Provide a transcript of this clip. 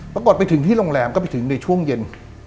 ไปถึงที่โรงแรมก็ไปถึงในช่วงเย็น